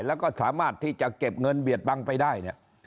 แล้วก็สามารถที่จะเก็บเงินเบียดบังไปได้เนี่ย